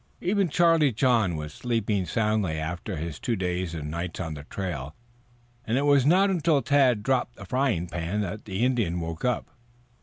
Even Charlie John was sleeping soundly after his two days and nights on the trail, and it was not until Tad dropped the frying pan that the Indian woke up.